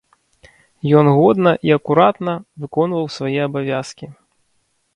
Ён годна і акуратна выконваў свае абавязкі.